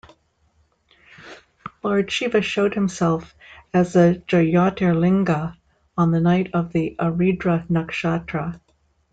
Lord Shiva showed himself as a Jyotirlinga on the night of the Aridra Nakshatra.